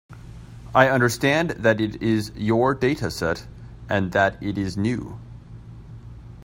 I understand that it is your dataset, and that it is new.